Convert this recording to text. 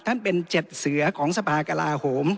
ท่านเป็นเจ็ดเสือของสภากราห์